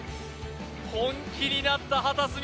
本気になった秦澄